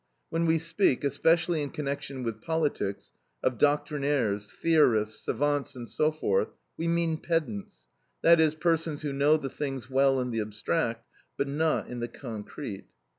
When we speak, especially in connection with politics, of doctrinaires, theorists, savants, and so forth, we mean pedants, that is, persons who know the things well in the abstract, but not in the concrete.